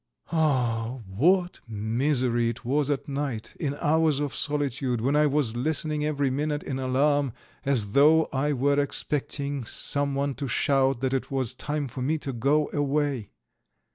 Oh, what misery it was at night, in hours of solitude, when I was listening every minute in alarm, as though I were expecting someone to shout that it was time for me to go away!